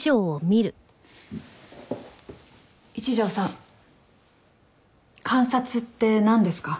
一条さん監察ってなんですか？